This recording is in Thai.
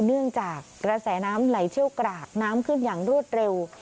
เนื่องจากกระแสน้ำไหลเชี่ยวกรากน้ำขึ้นอย่างรวดเร็ว